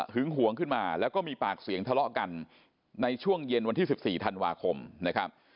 หวงขึ้นมาแล้วก็มีปากเสียงทะเลาะกันในช่วงเย็นวันที่๑๔ธันวาคมนะครับ